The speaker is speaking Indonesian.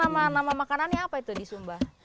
apa nama makannya apa itu di sumba